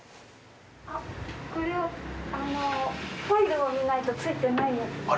あっこれはファイルを見ないと付いてないやつですね。